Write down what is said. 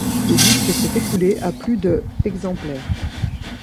Le disque s'est écoulé à plus de exemplaires.